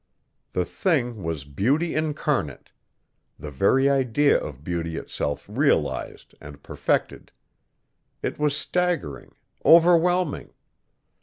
The thing was beauty incarnate the very idea of beauty itself realized and perfected. It was staggering, overwhelming.